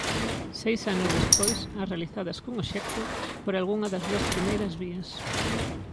Seis anos despois, as realizadas cun obxecto "por algunha das dúas primeiras vías".